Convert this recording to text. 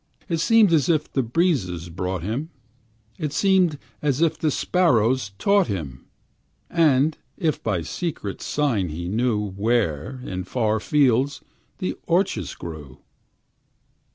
It seemed as if the breezes brought him, It seemed as if the sparrows taught him; As if by secret sight he knew Where, in far fields, the orchis grew.